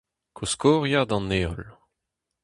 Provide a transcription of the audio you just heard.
Koskoriad an Heol.